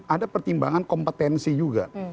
ada pertimbangan kompetensi juga